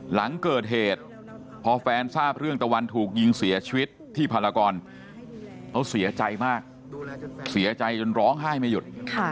หลังเกิดเหตุพอแฟนทราบเรื่องตะวันถูกยิงเสียชีวิตที่พารากรเขาเสียใจมากเสียใจจนร้องไห้ไม่หยุด